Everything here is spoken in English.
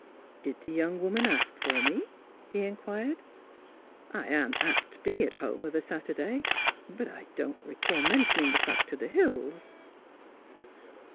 " Did the young woman ask for me? " he in quired. '' I am apt to be at home of a Saturday ; but I don't recall mentioning the fact to the Hills."